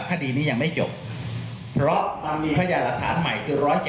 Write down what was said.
คดีนี้ยังไม่จบเพราะมันมีพยานหลักฐานใหม่คือ๑๗๐